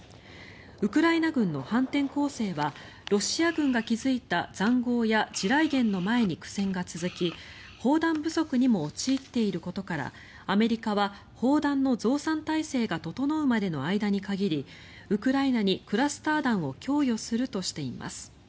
ウクライナ軍の反転攻勢はロシア軍が築いた塹壕や地雷原の前に苦戦が続き砲弾不足にも陥っていることからアメリカは砲弾の増産態勢が整うまでの間に限りウクライナにクラスター弾を供与するとしています。